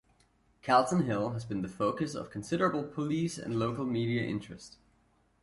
Calton Hill has been the focus of considerable police and local media interest.